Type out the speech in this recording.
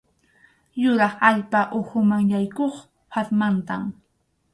Yurap allpa ukhuman yaykuq phatmantam.